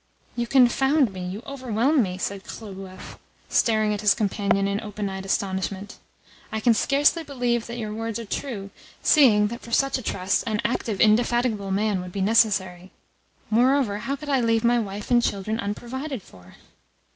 "You confound me, you overwhelm me!" said Khlobuev, staring at his companion in open eyed astonishment. "I can scarcely believe that your words are true, seeing that for such a trust an active, indefatigable man would be necessary. Moreover, how could I leave my wife and children unprovided for?"